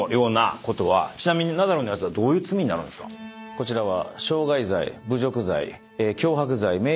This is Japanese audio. こちらは。